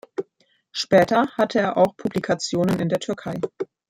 Später hatte er auch Publikationen in der Türkei.